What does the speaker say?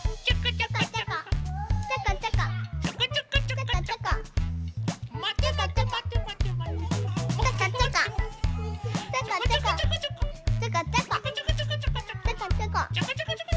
ちょこちょこちょこちょこ。